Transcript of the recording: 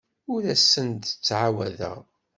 Ur asen-d-ttɛawadeɣ.